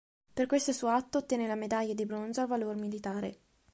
Per questo suo atto ottenne la Medaglia di bronzo al valor militare.